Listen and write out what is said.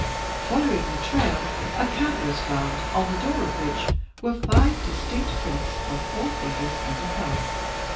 Follow ing the trail, a cab was found, on the door of which were five distinct prints of four fingers and a thumb.